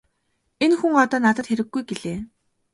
Энэ хүн одоо надад хэрэггүй -гэлээ.